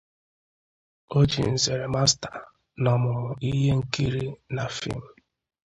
Ọ ji nzere masta na ọmụmụ ihe nkiri na feem.